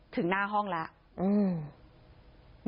ถึงหน้าห้องแล้ว